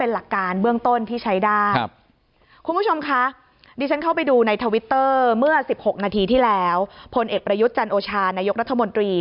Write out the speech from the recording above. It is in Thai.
หลังจาก๕๖นาทีที่แล้วพลเอกประยุทธ์จันโอชานายกรัฐมนตรี